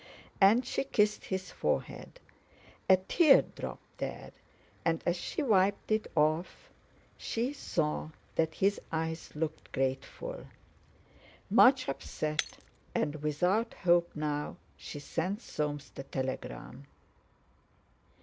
And she kissed his forehead. A tear dropped there, and as she wiped it off she saw that his eyes looked grateful. Much upset, and without hope now, she sent Soames the telegram.